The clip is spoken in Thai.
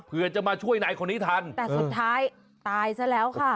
เพื่อจะมาช่วยนายคนนี้ทันแต่สุดท้ายตายซะแล้วค่ะ